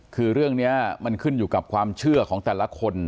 คือเรื่องนี้มันขึ้นอยู่กับความเชื่อของแต่ละคน